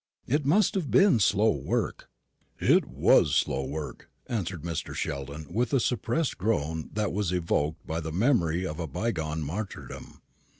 "It must have been slow work." "It was slow work," answered Mr. Sheldon with a suppressed groan, that was evoked by the memory of a bygone martyrdom.